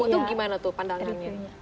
itu gimana tuh pandangannya